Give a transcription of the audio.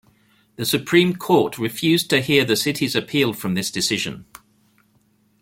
The Supreme Court refused to hear the city's appeal from this decision.